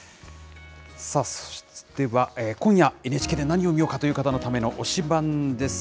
では今夜、ＮＨＫで何を見ようかという方のための推しバンです。